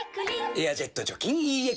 「エアジェット除菌ＥＸ」